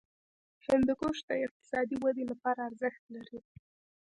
هندوکش د اقتصادي ودې لپاره ارزښت لري.